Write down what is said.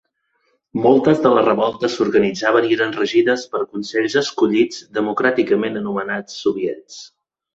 Moltes de les revoltes s'organitzaven i eren regides per consells escollits democràticament anomenats soviets.